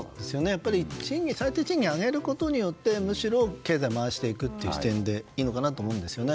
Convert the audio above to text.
やっぱり最低賃金を上げることによってむしろ経済を回していくという視点でいいのかなと思うんですよね。